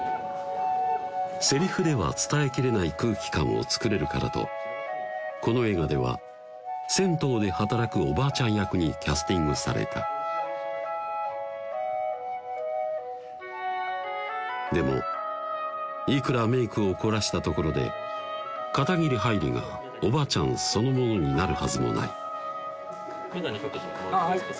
セリフでは伝えきれない空気感を作れるからとこの映画では銭湯で働くおばあちゃん役にキャスティングされたでもいくらメークを凝らしたところで片桐はいりがおばあちゃんそのものになるはずもない眼鏡かけてもらっていいですか？